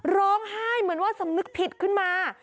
ร้องไห้เหมือนว่าสำนึกผิดขึ้นมา